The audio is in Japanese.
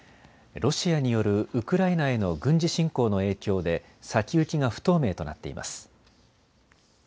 ロシアによるウクライナへの軍事侵攻の影響で先行きが不透明となっています。